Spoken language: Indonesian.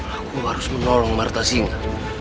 aku harus menolong marta singa